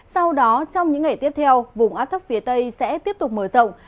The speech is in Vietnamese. sau đó trong những ngày tiếp theo vùng áp thấp phía tây sẽ tiếp tục mở rộng